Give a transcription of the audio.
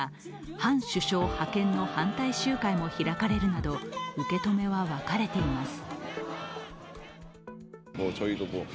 ハン首相派遣の反対集会も開かれるなど、受け止めは分かれています。